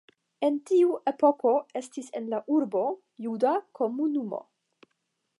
En tiu epoko estis en la urbo juda komunumo.